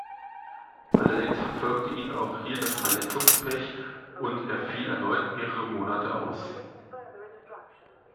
Allerdings verfolgte ihn auch hier das Verletzungspech und er fiel erneut mehrere Monate aus.